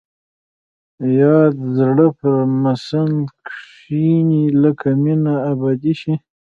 يا د زړه پر مسند کښيني لکه مينه ابدي شي.